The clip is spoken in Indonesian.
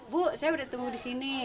bu saya udah tunggu disini